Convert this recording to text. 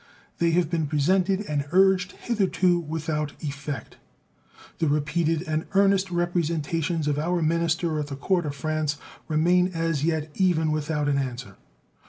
They have been presented and urged hither to without effect. The repeated and earnest representations of our minister at the Court of France remain as yet even without an answer.